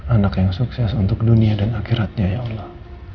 anak yang sukses untuk dunia dan akhiratnya ya allah